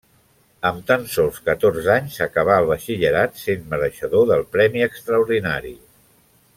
Amb tan sols catorze anys acabà el batxillerat, sent mereixedor del premi extraordinari.